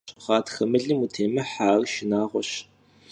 Ğatxe mılım vutêmıhe, ar şşınağueş.